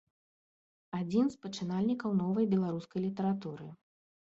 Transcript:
Адзін з пачынальнікаў новай беларускай літаратуры.